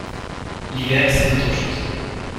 L’hiver, c’est autre chose.